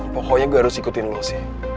pokoknya gue harus ikutin lu sih